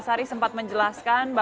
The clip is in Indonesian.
jatian epa jayante